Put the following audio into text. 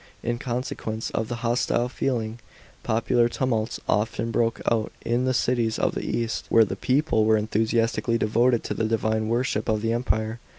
In consequence of the hostile feeling, popular tumults olten broke out in the cities of the east, where the people were enthusiastically devoted to the divine worship of the Emperor.